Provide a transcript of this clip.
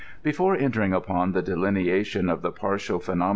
Before entering upon the delineation of the partial phenom INTRODUCTION.